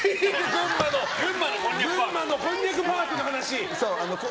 群馬のこんにゃくパークの話！